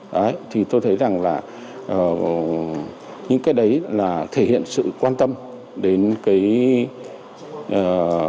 đấy thì tôi thấy rằng là những cái đấy là thể hiện sự quan tâm đến cái